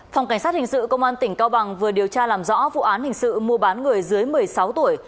phòng cảnh sát hình sự công an tỉnh cao bằng vừa điều tra làm rõ vụ án hình sự mua bán người dưới một mươi sáu tuổi